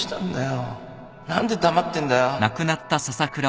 何で黙ってんだよ